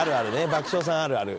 爆笑さんあるある。